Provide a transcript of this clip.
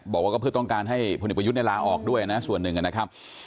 บอกว่าก็เพื่อต้องการให้พลเอกประยุทธ์ลาออกด้วยนะส่วนหนึ่งนะครับ